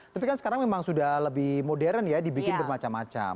tapi kan sekarang memang sudah lebih modern ya dibikin bermacam macam